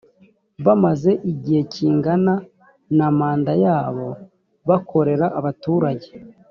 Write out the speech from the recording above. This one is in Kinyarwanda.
bamaze igihe kingana na manda yabo bakorera abaturage